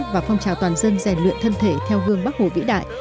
và phong trào toàn dân rèn luyện thân thể theo gương bắc hồ vĩ đại